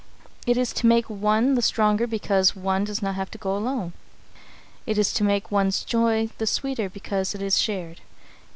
It is to make one the stronger because one does not have to go alone. It is to make one's joy the sweeter because it is shared.